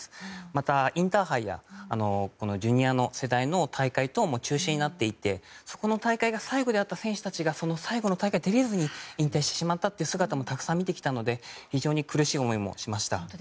またインターハイやジュニアの世代の大会等も中止になっていてその大会が最後だった選手たちが最後の大会に出れずに引退してしまったという姿もたくさん見てきていたので非常に苦しい思いもいました。